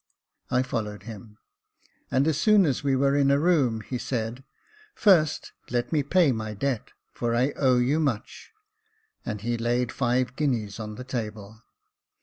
I followed him ; and as soon as we were in a room, he said, First let me pay my debt, for I owe you much;" and he laid five guineas on the table.